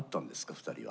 ２人は。